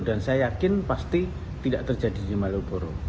dan saya yakin pasti tidak terjadi di malioboro